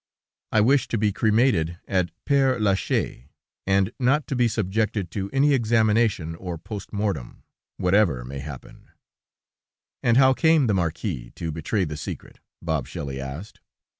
I wish to be cremated at Père Lachaise, and not to be subjected to any examination, or post mortem, whatever may happen.'" "And how came the marquis to betray the secret?" Bob Shelley asked.